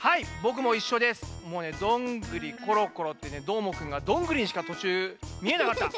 もうね「どんぐりころころ」ってねどーもくんがどんぐりにしかとちゅうみえなかった。